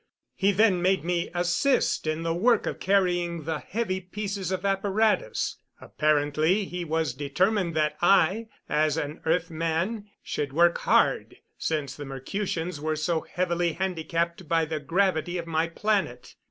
He then made me assist in the work of carrying the heavy pieces of apparatus. Apparently he was determined that I, as an earth man, should work hard, since the Mercutians were so heavily handicapped by the gravity of my planet.